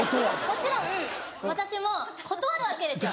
もちろん私も断るわけですよ。